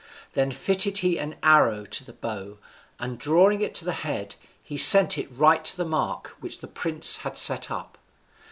Then fitted he an arrow to the bow, and drawing it to the head, he sent it right to the mark which the prince had set up.